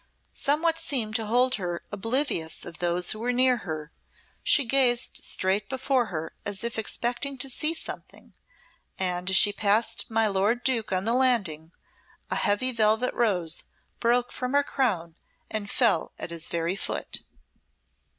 Somewhat seemed to hold her oblivious of those who were near her; she gazed straight before her as if expecting to see something, and as she passed my lord Duke on the landing, a heavy velvet rose broke from her crown and fell at his very foot.